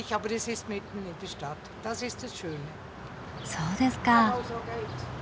そうですか。